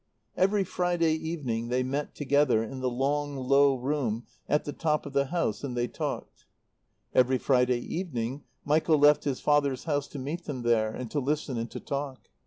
Every Friday evening they met together in the long, low room at the top of the house, and they talked. Every Friday evening Michael left his father's house to meet them there, and to listen and to talk.